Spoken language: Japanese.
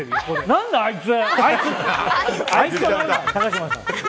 何だ、あいつ？